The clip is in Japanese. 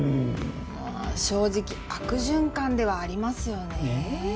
まぁ正直悪循環ではありますよね。ねぇ。